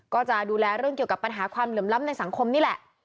ก็จะดูแลเรื่องเกี่ยวกับปัญหาความเหลื่อมล้ำในสังคมนี่แหละ